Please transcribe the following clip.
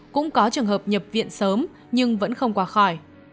cũng có trường hợp nhập viện sớm nhưng vẫn không qua khỏi